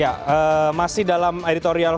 ya masih dalam editorial